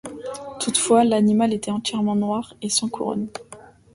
Toutefois, l'animal était entièrement noir et sans couronne.